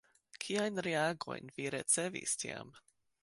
Kiajn reagojn vi ricevis tiam?